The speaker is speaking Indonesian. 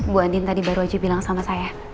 bu andin tadi baru aja bilang sama saya